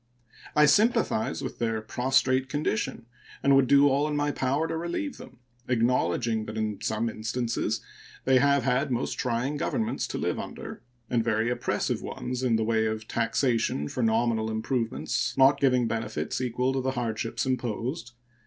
I sympathize with their prostrate condition, and would do all in my power to relieve them, acknowledging that in some instances they have had most trying governments to live under, and very oppressive ones in the way of taxation for nominal improvements, not giving benefits equal to the hardships imposed.